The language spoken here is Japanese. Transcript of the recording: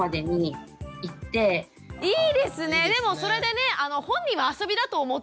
いいですねでもそれでね本人はあそびだと思って。